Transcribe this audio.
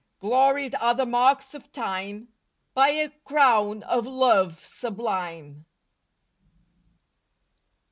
Gloried are the marks of time By a crown of love sublime.